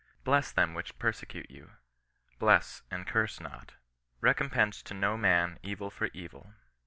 " Bless them which persecute you ; bless, and curse not." " Recompense to no man evil for evil."